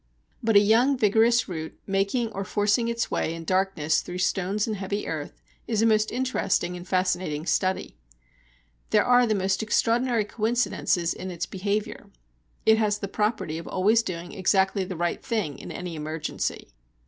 But a young, vigorous root making or forcing its way in darkness through stones and heavy earth is a most interesting and fascinating study. There are the most extraordinary coincidences in its behaviour. It has the property of always doing exactly the right thing in any emergency.